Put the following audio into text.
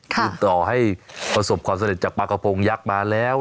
คือต่อให้ประสบความสำเร็จจากปลากระพงยักษ์มาแล้ว